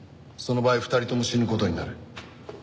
その場合２人とも死ぬ事になる。